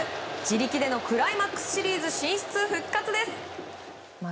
自力でのクライマックスシリーズ進出復活です。